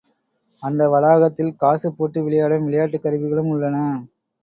அந்த வளாகத்தில் காசு போட்டு விளையாடும் விளையாட்டுக் கருவிகளும் உள்ளன.